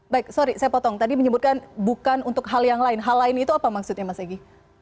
baik sorry saya potong tadi menyebutkan bukan untuk hal yang lain hal lain itu apa maksudnya mas egy